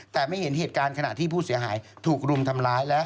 แต่ไม่เห็นเหตุการณ์ขณะที่ผู้เสียหายถูกรุมทำร้ายและ